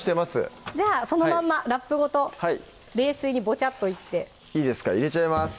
じゃあそのまんまラップごと冷水にボチャッといっていいですか入れちゃいます